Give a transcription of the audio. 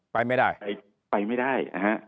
ไปไม่ได้